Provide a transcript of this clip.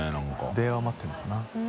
電話待ってるのかな？